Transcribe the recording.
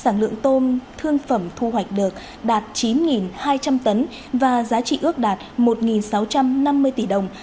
sản lượng tôm thương phẩm thu hoạch được đạt chín hai trăm linh tấn và giá trị ước đạt một sáu trăm năm mươi tỷ đồng